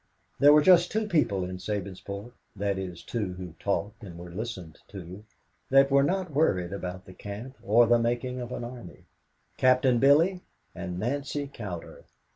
There were just two people in Sabinsport that is, two who talked and were listened to, that were not worried about the camp or the making of an army Captain Billy and Nancy Cowder.